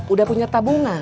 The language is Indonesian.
udah punya tabungan